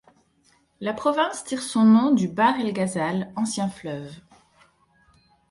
La province tire son nom du Bahr el Ghazal, ancien fleuve.